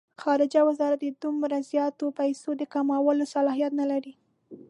خارجه وزارت د دومره زیاتو پیسو د کمولو صلاحیت نه لري.